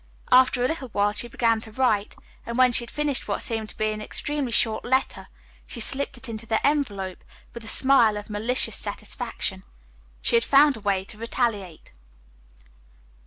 After a little thought she began to write, and when she had finished what seemed to be an extremely short letter, she slipped it into the envelope with a smile of malicious satisfaction. She had found a way to retaliate.